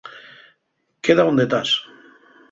Queda onde tas.